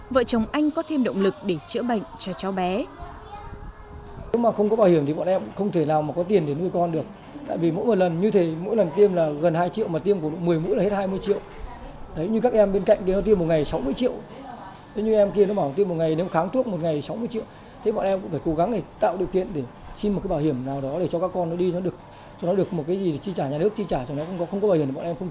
vợ chồng anh có thêm động lực để chữa bệnh cho cháu bé